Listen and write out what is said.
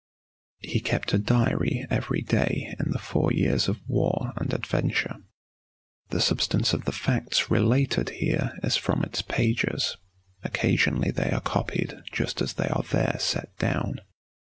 He kept a diary every day in the four years of war and adventure. The substance of the facts related here is from its pages; occasionally they are copied just as they are there set down.